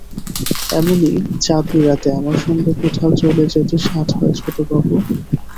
এমনি চাঁদনি রাতে আপনার সঙ্গে কোথাও চলে যেতে সাধ হয় ছোটবাবু।